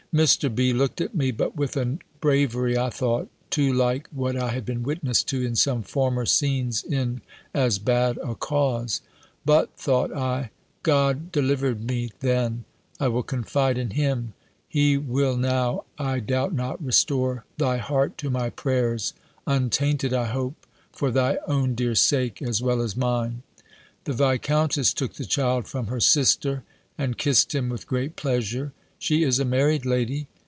Mr. B. looked at me, but with a bravery, I thought, too like what I had been witness to, in some former scenes, in as bad a cause. "But," thought I, "God delivered me then; I will confide in him. He will now, I doubt not, restore thy heart to my prayers; untainted, I hope, for thy own dear sake as well as mine." The Viscountess took the child from her sister, and kissed him with great pleasure. She is a married lady.